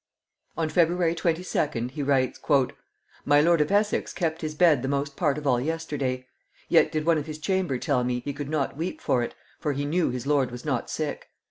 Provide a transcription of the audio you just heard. On February twenty second he writes: "My lord of Essex kept his bed the most part of all yesterday; yet did one of his chamber tell me, he could not weep for it, for he knew his lord was not sick.